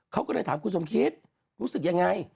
เขาก็เลยถามคุณสมคิดรู้สึกยังไง